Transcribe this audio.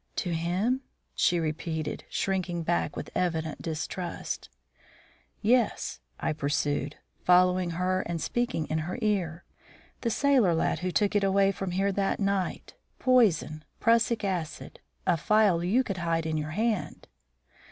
"To him?" she repeated, shrinking back with evident distrust. "Yes," I pursued, following her and speaking in her ear; "the sailor lad who took it away from here that night. Poison prussic acid a phial you could hide in your hand."